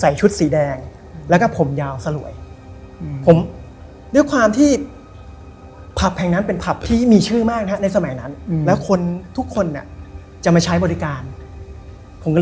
ยังคิดว่าเขาอ่ำอยู่ครับผม